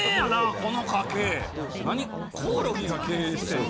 この家系何コオロギが経営してんの？